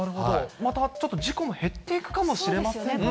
またちょっと事故も減っていくかもしれませんね。